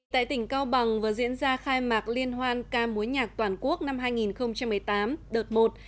tại tỉnh cao bằng vừa diễn ra khai mạc liên hoan ca mối nhạc toàn quốc năm hai nghìn một mươi tám đợt một